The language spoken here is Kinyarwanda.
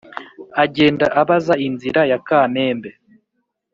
agenda abaza inzira ya kamembe*.